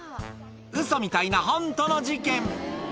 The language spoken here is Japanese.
ウソみたいなホントの事件。